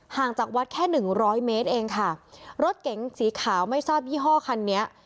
จากวัดแค่หนึ่งร้อยเมตรเองค่ะรถเก๋งสีขาวไม่ทราบยี่ห้อคันนี้